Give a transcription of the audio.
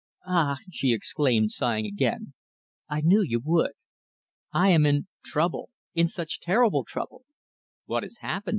"Ah!" she exclaimed, sighing again, "I knew you would. I am in trouble in such terrible trouble." "What has happened?"